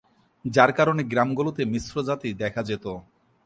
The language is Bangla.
যার কারণে গ্রামগুলোতে মিশ্র জাতি দেখা যেতো।